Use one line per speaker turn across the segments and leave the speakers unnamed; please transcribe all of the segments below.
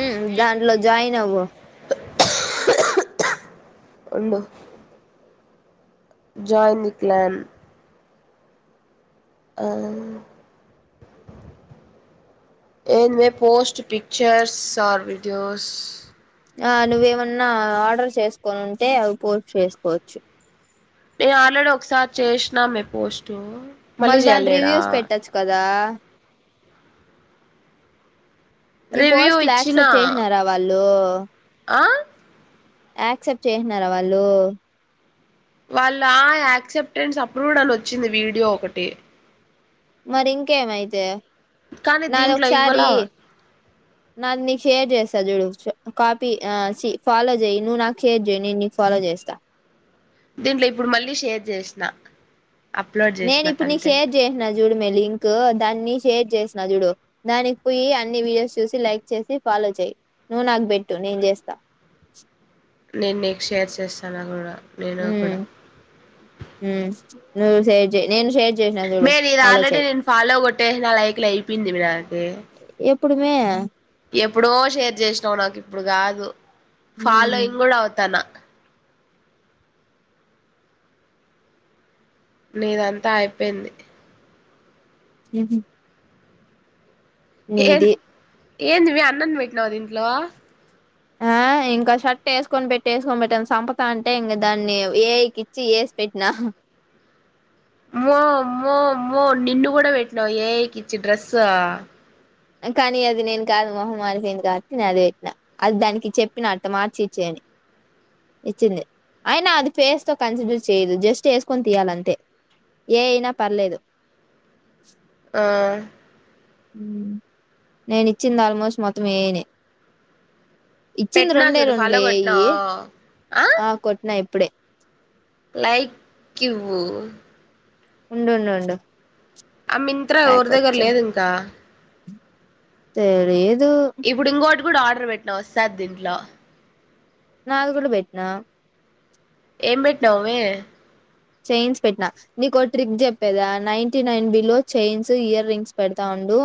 ఉ దాంట్లో జాయిన్ అవ్వు
ఉండు జాయిన్య్ క్లాన్ ఆ ఏందే పోస్ట్ పిక్చర్స్ ఆర్ వీడియోస్
ఆ నువ్వేమన్నా ఆర్డర్ చేసుకోని ఉంటే అవి పోస్ట్ చేసుకోవచ్చు
నే ఆల్రెడీ ఒకసారి చేషినామే పోస్ట్ మళ్ళీ
మళ్ దాని
చేయలేడా
రివ్యూస్ పెట్టొచ్చు కదా నీ
రివ్యూ
పోస్ట్లు
ఇచ్చిన
యాక్సెప్ట్ చేసినారా వాళ్ళూ
ఆ
యాక్సెప్ట్ చేసినార వాళ్ళూ
వాళ్ళ ఆ యాక్సెప్టెన్స్ అప్రూవ్డ్ అని వచ్చింది వీడియో ఒకటి
మరి ఇంకెమైతే
కానీ
నాది
దీంట్లో
ఒకసారి
ఇవ్వలా
నాది నీకు షేర్ చేస్తా తదు చూడు కాపీ ఆ చి ఫాలో చేయ్ నువ్వు నాకు షేర్ చేయ్ నెను నీకు ఫాలో చేస్తా
దీంట్లో ఇప్పుడు మళ్ళీ షేర్ జెసిన
నేను ఇప్పుడు నీ షేర్ జేసిన చూడమే లింక్ క్ దాన్ని షేర్ చేసిన చడు దానికి పోయి అన్ని వీడియోస్ చూసి లైక్ చేసి ఫాలో చేయి నువ్వు నాకు బెట్టు నేను చేస్తా
నేను నీకు షేర్ చేసనా క కూడా నేను కూడా
ఉమ్ ఉమ్ నువు షేర్ చేయ్ నేను షేర్ చేసినా చూడు
మే ఇది
ఫాలో
ఆల్రెడీ
చెయ్
నేను ఫాలో కొట్టేసి నా లైక్లు అయిపోయింది మే నాకి
ఎప్పుడు మే
ఎప్పుడో షేర్ చేసినవు నాకు ఇప్పుడు గాదు
హ్మ్.
ఫాలోయింగ్ గుడా అవుతాన్నా నీదంతా అయిపోయింది
[unintelligible] నీది
ఏందివి అన్నొన్ పెట్టినావు దీంట్లో
ఆ ఇంకో షర్ట్ ఎసుకొని పెట్టి ఏసుకొని పెట్టి అని సంపుతాంటే ఇంక దాన్ని ఏ ఇ కి ఇచ్చి ఏసి పెట్టినా
అమ్మో అమ్మో అమ్మో నిన్ను కూడా పెట్టినావ ఏ ఐ కి ఇచ్చి డ్రెస్స్
కానీ అది నేను కాదు మొహం మారి పోయింది కాబట్టి నేను అది పెట్టినా అది దానికి చెప్పిన అట్ట మార్చి ఇచ్చేయ్ అని ఇచ్చింది అయినా అది ఫేస్ తో కన్సిడర్ చేయదు జస్ట్ ఎసుకొని తీయాలంతే ఏ ఐ అయినా పర్లేదు
ఆ
నేను ఇచ్చింది ఆల్మోస్ట్ మొత్తం ఏ ఐ నే ఇచ్చింది
పెట్టినా
రెండే
చూడు
రెండు
ఫాలో
లె
కొట్టినా
ఇయ్యి ఆ కొట్టిన ఇప్పుడే
లైక్. ఇవ్యు
ఉండు ఉండు ఉండు
ఆ మింత్రా ఎవరి దగ్గర లేదు ఇంకా
తెలీద్
ఇప్పుడు ఇంగోటు కూడ ఆర్డర్ పెట్టినా వస్తాది దీంట్లో
నాది కూడ పెట్టినా
ఏం పెట్నావ్ వే
చైయిన్స్ పెట్టినా నీకు ట్రిక్ చెప్పేదా ninety nine below chains earrings పెడతా ఉండు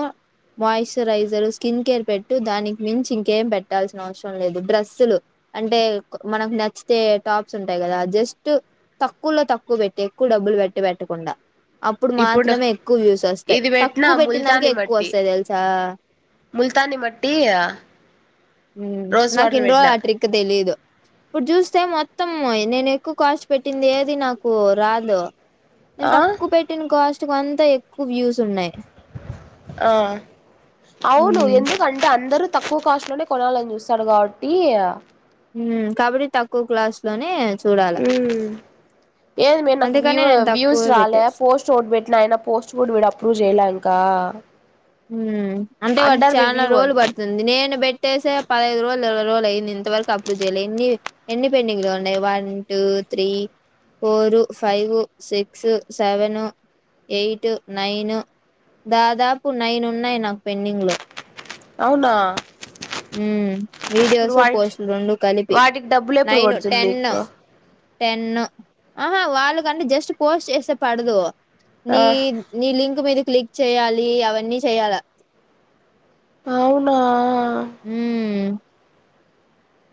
మాయిశ్చరైజర్ స్కిన్ కేర్ పెట్టు దానికి మించి ఇంకేం పెట్టాల్సిన అవసరం లేదు డ్రస్సులు అంటే మనకు నచ్చితే టాప్స్ ఉంటాయి కదా జస్ట్ తక్కువలో తక్కువ తక్కువ పెట్టి ఎక్కువ డబ్బులు పెట్టి పెట్టకుండా అప్పుడు
ఇప్పుడు
మాత్రమే ఎక్కువ వ్యూస్ వస్తాయి
ఇది పెట్టినా
తక్కువ పెట్టిన దానికి
ముల్తాని
ఎక్కువ
మట్టి
వస్తాయి తెలుసా
ముల్తాని మట్టి రోజ్
నాకు
వాటర్
ఇన్ని రోజులు
పెట్టినా
ఆ ట్రిక్ తెలీదు ఇప్పుడు చూస్తే మొత్తం నేను ఎక్కువ కాస్ట్ పెట్టింది ఏది నాక్ ఓ రాదు నేను
ఆ
తక్కువ పెట్టిన కాస్ట్ ఇకు అంత ఎక్కువ వ్యూస్ ఉన్నాయ్
ఆ అవును
మ్మ్
ఎందుకంటే అందరూ తక్కువ కాస్ట్ లోనే కొనాలని చూస్తాడు కాబట్టి
మ్మ్ కబడ్డీ తక్కువ క్లాస్ లోనే చూడాల
మ్మ్ ఏది మీరు నాకు
అందుకనే
వ్యూ
నేను
వ్యూస్
తక్కువే పెట్టా
రాలే పోస్ట్ ఒకటి పెట్టి అయనా పోస్ట్ కూడా ఇంకా అప్రూవ్ చేయలేం క్క
మ్మ్ అంటే వాడు చాలా రోజులు
అని
పడుతుంది నేను పెట్టేసే పదహైదు రోజులు రోజుల్ అయింది ఇంతవరకు అప్రూవ్ చేయాలి ఎన్ని ఎన్ని పెండింగ్ లో ఉన్నాయి one two three four five six seven eight nine దాదాప్ ఇప్పు నైన్ ఉన్నాయి నాకు పెన్నిడింగ్ లో
అవునా
మ్మ్
ఇప్పుడు
వీడియోస్
వాటి
పోస్ట్లు రెండు కలిపి
వాటికి డబ్బులు ఎప్పుడు
నైను
పడుతుంది నీకు
టెన్ ఆహా వాళ్ళకంటే జస్ట్ పోస్ట్ చేస్తే పడదు
ఆ
నీ నీ లింక్ మీద క్లిక్ చేయాలి అవన్నీ చేయాలా
అవునా
మ్మ్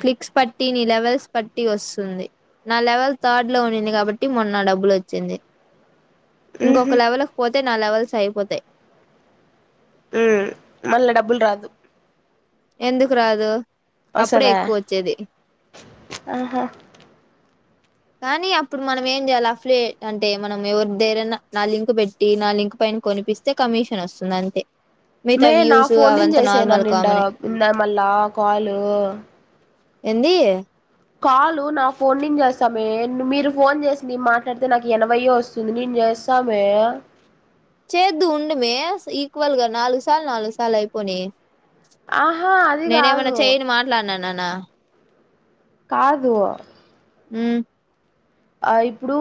క్లిక్స్ పట్టి నీ లెవెల్స్ పట్టి వస్తుంది నా లెవెల్ థర్డ్ లో ఉన్నింది కాబట్టి మొన్న డబ్బులు వచ్చింది
ఉహు
ఇంకొక లెవల్కి పోతే నా లెవెల్స్ అయిపోతాయి
మ్మ్ మళ్ళా డబ్బులు రాదు
ఎందుకు రాదు అప్పుడే
వసదా
ఎక్కువ వచ్చేది
ఆహా
కానీ అప్పుడు మనం ఏం చేయాలి అఫ్లీ అంటే మనం ఎవరి దేరైనా నా లింక్ పెట్టి నా లింక్ పైన కొనిపిస్తే కమిషన్ వస్తుంది అంతే
మే
మిగతా
నా
వ్యూస్
ఫోన్ నుంచి
అవంతా
చేసేను
నార్మల్ కామనే
నిండా మళ్ళా కాల్
ఎంది
కాలు నా ఫోన్ నించి చేస్తామే మీరు ఫోన్ చేసింది మాట్లాడితే నాకు ఎనభై వస్తుంది నేను చేస్తామే
చేద్దు ఉండమే ఈక్వల్ గా నాలుగు సార్లు నాలుగు సార్లు అయిపోనీ
ఆహా అదిగాదు
నా
కాదు
మ్మ్
ఆ ఇప్పుడు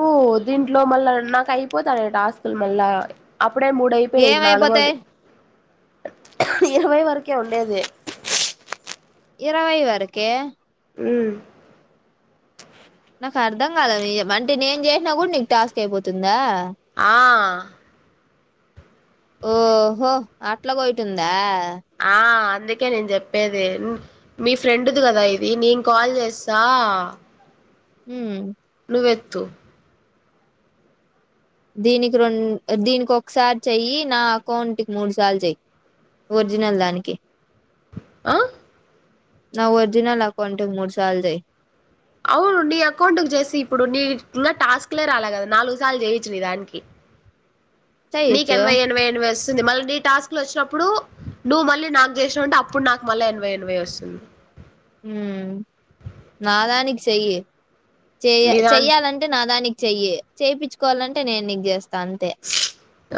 దీంట్లో మళ్ళా నాకు అయిపోతాను టాస్కులు మళ్ళా అప్ అప్పుడే మూడు అయిపోయింది
ఏమైపోతాయి
నాలుగోది ఇరవై వరకే ఉండేది
ఇరవై వరకే
ఉ
అర్ధం కాలదు అంటే నేను చేసినా కూడా నీకు టాస్క్ అయిపోతుందా
ఆ
ఓహో అట్లగోట్టుందా
ఆ అందుకే నేను చెప్పేది మీ ఫ్రెండ్ది కదా ఇది నేను కాల్ చేస్తా
ఉ
వెెత్తు
దీనికి రెం దీనికి ఒకసారి చెయ్యి నా అకౌంట్కి మూడు సార్లు చెయ్యి ఒరిజినల్ దానికి
ఆ
నా ఒర్జినల్ అకౌంట్ కి మూడు సార్లు చెయ్యి
అవును నీ అకౌంట్ కి చేసి ఇప్పుడు నీ ఇంకా టాస్క్లే రాలే కదా నాలుగు సార్లు చేయిచ్చు ని దానికి నీకి
చెయ్యొచ్చు
ఎభై ఎన్వై ఎన్వై మళ్ళీ నీ టాస్క్ లో వచ్చినప్పుడు నువ్వు మళ్ళీ నాకు చేసినాంటే అప్పుడు నాకు మళ్ళీ ఎనభై ఎనభై వస్తుంది
ఉ నా దానికి చెయ్య చెయ
నీదాని
చెయ్యాలంటే నా దానికి చెయ్యి చేపించుకోవాలంటే నేను నీకు చేస్తాను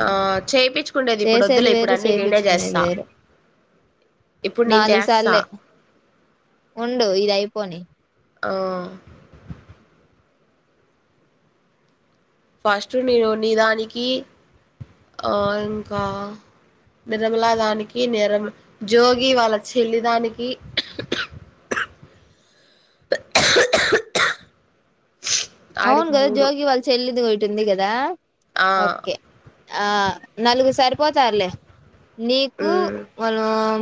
ఆ చేపించుకుండేది ఇప్పుడు
చేసేది
వద్దులే ఇప్పుడు
వేరు
అన్నీ నేనే
చేపిచ్చుకునేది
చేస్తా
వేరు
ఇప్పుడు నేను
నాలుగు
చేస్తా
సార్లే ఉండు ఇది అయిపోని
ఆ ఫస్ట్ నేను నీదానికి ఆ ఇంకా నిర్మలా దానికి నిరమ జోగి వాళ్ళ చెల్లిదానికి
అవును గదా జోగి వాళ్ళ చెల్లిది ఓటి ఉంటుంది కదా
ఆ
ఓకే ఆ నలుగురు సరిపోతారులే నీకు
మ్మ్
మ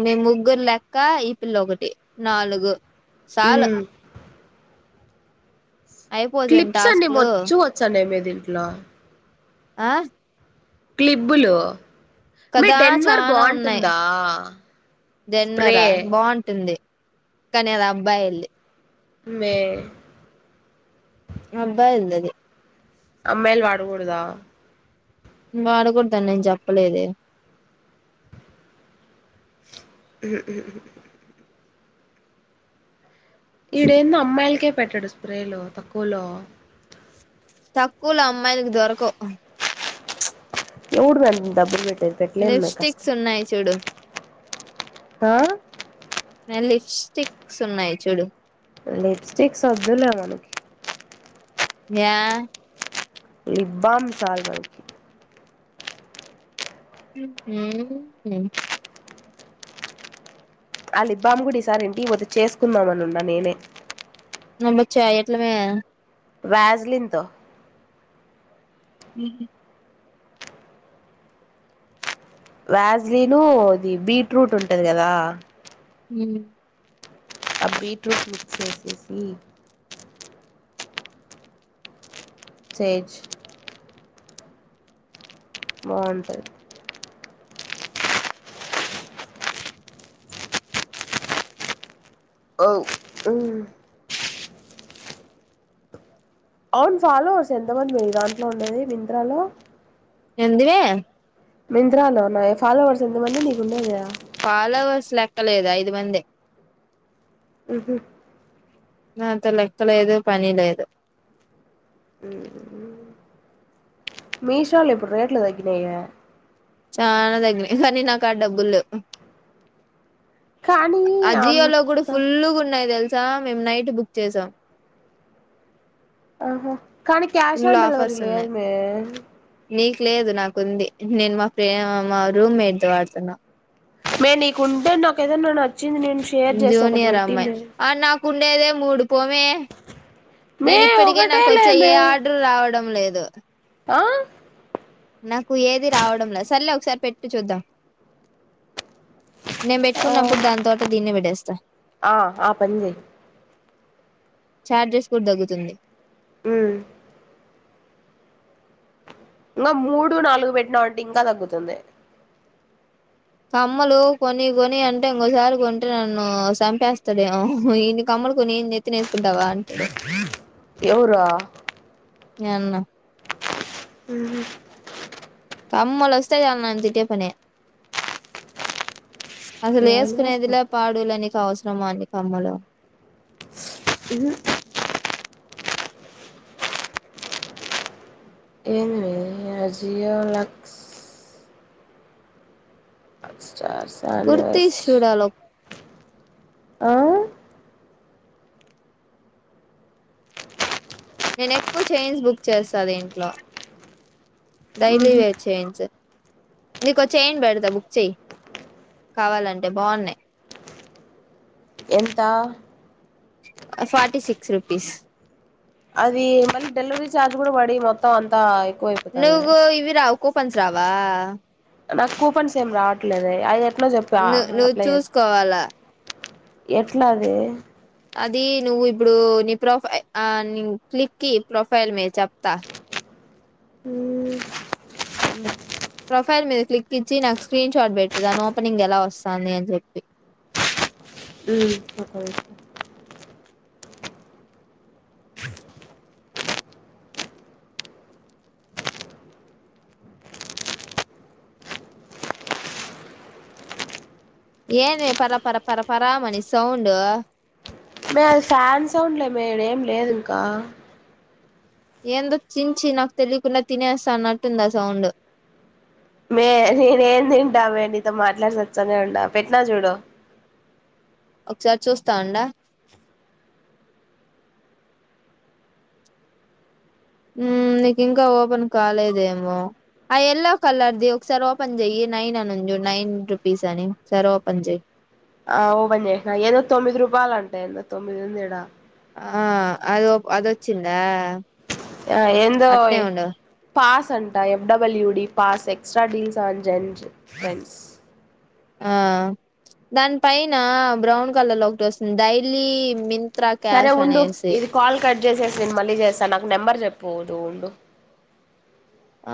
మీ ముగ్గురు లెక్క ఈ పిల్ల ఒకటి నాలుగు
ఉ
చాలు అయిపోతుంది
క్లిప్స్ అండి మ
టాస్క్లు
వచ్చు వచ్చాండి ఏ మీది ఇట్లా
ఆ
క్లిబ్బు లు
కదా చానా ఉన్నాయి
స్ప్రే
జన్వరా బాగుంటుంది కానీ అది అబ్బాయిలిది
మే
అబ్బాయిలది
అమ్మాయిలు వాడకూడదా
వాడకూడదని నేను చెప్పలేదే
ఉ ఉ ఈడేందో అమ్మాయిలకే పెట్టడు స్ప్రేలో తక్కువలో
తక్కువలో అమ్మాయిలకు దొరకవ్
ఎవడు మ డబ్బులు పెట్ పెట్టట్లేం లే
లిప్స్టిక్స్
కష్టం
ఉన్నాయి చూడు లిప్స్టిక్స్ ఉన్నాయి చూడు
లిప్స్టిక్స్ వద్దులే మనకి
యా
లిబ్బామ్ సాల్ మాకి
మ్మ్ మ్మ్
ఆ లిబ్బాం గుడి ఈసారి ఇంటిపోతే చేసుకుందామనున్నా నేనే
బచ్చా ఎట్లమే
వ్యాజలిన్తో
మ్మ్
వ్యాజ్లీను ఇది బీట్రూట్ ఉంటది కదా
మ్మ్
ఆ బీట్రూట్ మిక్స్ చేసేసి చేేచ్ బాగుంటది వు మ్మ్ అవును ఫాలోర్స్ ఎంతమంది మీరు దాంట్లో ఉన్నది మింత్ర లో
ఏంది
మింద్రాలోన్నా ఫాలోోవర్స్ ఎంత మంది నీకు ఉండేది
ఫాలోవర్స్ లెక్కలేదు ఐదు మంది
మ్మ్ హ్మ్
నాంత లెక్క లేదు పని లేదు
మ్మ్ మీషోలో ఇప్పుడు రేట్లు తగ్గినాయే
చాలా తగ్గినయి కానీ నాకడా డబ్బులు లేవ్
కానీ
అజియో లో కూడా
అంత
ఫుల్ గా ఉన్నాయి తెల్ స స మేము నైట్ బుక్ చేసాం
ఓహో కానీ cash
full
on delivery
offers ఉన్నాయి
లేదుమే
నీకు లేదు నాకుంది నేను మా ఫ్రెం మా రూమ్ మేట్ వాడుతున్నా
మే ని కుండ నాకదచ్చ వచ్చింది నేను షేర్ చేస్తా ఒకటి
జూనియర్ అమ్మాయి
పెట్టిండు
ఆ నాకు ఉండేదే మూడు పోమే
మే
నేను ఇప్పటికే
ఒకటే
నాకు
లే
వచ్చే ఏ
మే
ఆర్డర్ రావట్ డం లేదు
ఆ
నాకు ఏది రావడంలా సరలే ఒకసారి పెట్టి చూద్దాం నేను పెట్టుకున్నప్పుడు దాని తోట దీన్ని విడేస్తా
ఆ ఆ పని చెయ్
చార్జెస్ కూడా దగ్గుతుంది
మ్మ్ ఇంకా మూడు నాలుగు పెట్టినా అంటే ఇంకా తగ్గుతుంది
కమ్మలు కొన్ని కొని అంటే ఇంకోసారి కొంటే నన్ను చంపేస్తాడే ఇన్ని కమ్మలు కొనిన్ని ఎత్తిన ఉండవాంటడు
ఎవరా
ఏన్న
అ
కమ్మలస్తాయి నా అందిటే పనే అసలు వేసుకునేదిలా పాడు లే నీకు అవస్ త మాటి కమ్మలు
ఇ ఏంది మీ అజియో లక్స్ ఆక్స్ చార్ సను వర్స్
కుర్తీస్ చూడాలి
ఆ
నేను ఎక్కువ చైయిన్స్ బుక్ చేసా దింట్లో డైలీ
ఉహు
వేర్ చైన్స్ నీకు ఒక చైన్ పెడతా బుక్ చెయ్యి కావాలంటే బాగున్నాయి
ఎంత
ఫార్టీ సిక్స్ రుపీస్
అది మళ్ళీ డెలివరీ ఛార్జ్ కూడా పడి మొత్తం అంతా ఎక్కువైపోతది
నువ్వు ఇవి రావు కూపన్స్ రావా
నా కూపన్సేమ్ రాట్లేదే అఐ
ను నువ్వు చూసుకోవాలా
ఎట్లా అది
అది నువ్వు ఇప్పుడు నీ ప్రొఫై ఆ క్లిక్కి ప్రొఫైల్ మీద చెప్తా ప్రొఫైల్ మీద క్లిక్ ఇచ్చి నాకు స్క్రీన్ షాట్ పెట్టు దాని ఓపెనింగ్ ఎలా వస్తాంది అని చెప్పి
ఉ సప్పా
ఏంటివి పరా పరా పరా పరా మనీ సౌండు
మే అది ఫ్యాన్ సౌండ్లే మే ఏం లేదు ఇంకా
ఏందో చించి నాకు తెలియకుండా తినేస్తా అన్నట్టుంది ఆ సౌండ్
మే నేనే ఏం తింటావే నీతో మాట్లాడుసి వచ్చనే ఉం పెట్టినా చూడు
ఒకసారి చూస్తా అండా ఉమ్ నీకు ఇంకా ఓపెన్ కాలేదేమో ఆ ఎల్లో కలర్ది ఒకసారి ఓపెన్ చెయ్యి నైన్ అనింజు నైన్ రుపీస్ అని ఒకసారి ఓపెన్ చెయి
ఆ ఓపెన్ చేసిన ఏదో తొమ్మిది రూపాయలు అంట ఏదో తొమ్మిది ఉంది ఈడ
ఆ అద అదొచ్చింద
ఆ ఎందో పాస్ సంటా F W D pass extra deals on జెం ఫెండ్స్
ఆ దాని పైన బ్రౌన్ కలర్ లో ఓటి వస్తుంది డైలీ మిన్
సరే ఉండు ఇది కాల్ కట్ చేసేసి నేను మళ్ళీ చేస్తాను నాకు నెంబర్ చెప్ పోతుండు
ఆ